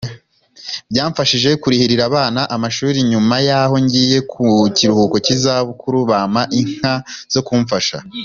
Byamfashije kurihira abana amashuri nyuma y’aho ngiye mu kiruhuko cy’izabukuru bampa inka zo kumfasha